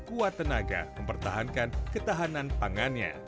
kuat tenaga mempertahankan ketahanan pangannya